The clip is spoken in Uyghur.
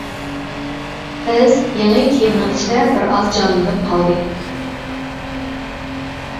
قىز يېڭى كىيىمنىڭ ئىچىدە بىرئاز جانلىنىپ قالدى.